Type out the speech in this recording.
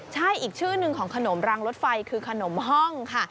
ใช่อีกชื่อหนึ่งของขนมรังรถไฟคือขนมห้องค่ะ